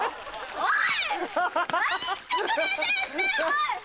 おい！